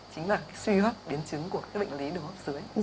chính là suy hấp biến chứng của các bệnh lý đối hợp dưới